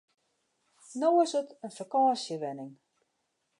No is it in fakânsjewenning.